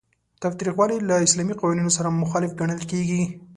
تاوتریخوالی له اسلامي قوانینو سره مخالف ګڼل کیږي.